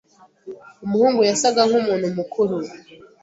Umuhungu yasaga nkumuntu mukuru.